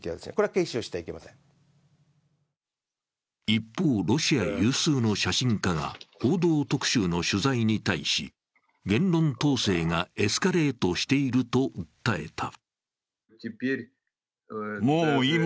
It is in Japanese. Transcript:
一方、ロシア有数の写真家が「報道特集」の取材に対し言論統制がエスカレートしていると訴えた。